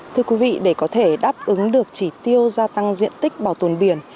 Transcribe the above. thưa quý vị để có thể đáp ứng được chỉ tiêu gia tăng diện tích bảo tồn biển